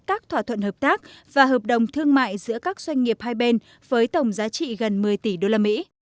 các thỏa thuận hợp tác và hợp đồng thương mại giữa các doanh nghiệp hai bên với tổng giá trị gần một mươi tỷ usd